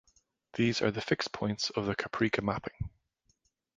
These are the fixed points of the Kaprekar mapping.